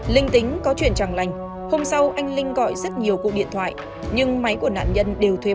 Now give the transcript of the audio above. linh tính có chuyện chẳng lành hôm sau anh linh gọi rất nhiều cuộc điện thoại nhưng máy của nạn nhân đều thuê